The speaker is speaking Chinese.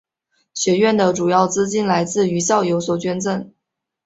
学院的主要资金来自于校友所捐赠。